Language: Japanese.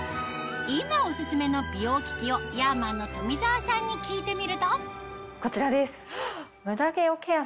今オススメの美容機器をヤーマンの富澤さんに聞いてみるとこちらです。